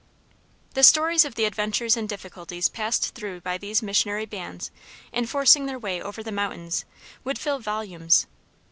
The story of the adventures and difficulties passed through by these missionary bands in forcing their way over the mountains, would fill volumes.